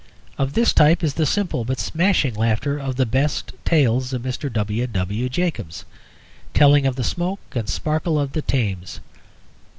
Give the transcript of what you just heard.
Of this type is the simple but smashing laughter of the best tales of Mr. W. W. Jacobs, telling of the smoke and sparkle of the Thames.